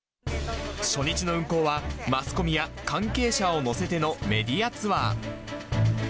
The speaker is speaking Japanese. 初日の運航はマスコミや関係者を乗せてのメディアツアー。